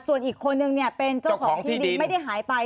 ส่วนอีกคนนึงเนี่ยเป็นเจ้าของที่ดินไม่ได้หายไป